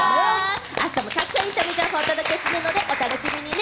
あしたもたくさんエンタメ情報をお届けするので、お楽しみにね。